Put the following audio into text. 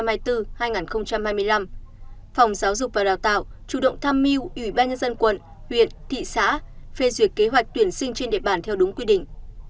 phòng giáo dục và đào tạo chủ động tham mưu ủy ban nhân dân quận huyện thị xã phê duyệt kế hoạch tuyển sinh trên địa bàn theo đúng quy định